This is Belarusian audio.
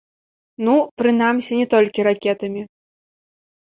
Ну, прынамсі, не толькі ракетамі.